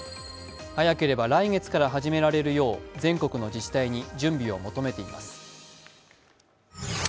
早ければ来月から始められるよう全国の自治体に準備を求めています。